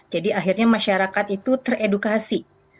akhirnya masyarakat itu teredukasi